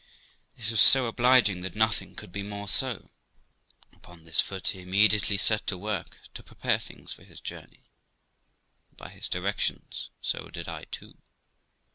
This was so obliging that nothing could be more so. Upon this foot he immediately set to work to prepare things for his journey, and, by his directions, so did I too.